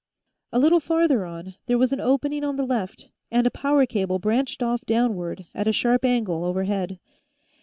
A little farther on, there was an opening on the left, and a power cable branched off downward, at a sharp angle, overhead.